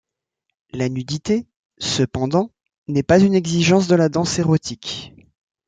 La nudité, cependant, n'est pas une exigence de la danse érotique.